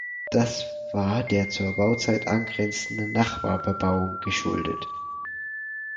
Das war der zur Bauzeit angrenzenden Nachbarbebauung geschuldet.